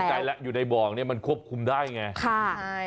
ใจแล้วอยู่ในบ่อนี้มันควบคุมได้ไง